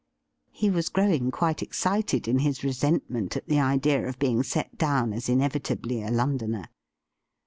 He was growing quite excited in his resentment at the idea of being set down as inevitably a Londoner.